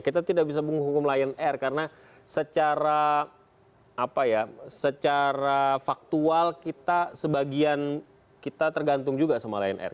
kita tidak bisa menghukum lion air karena secara faktual kita tergantung juga sama lion air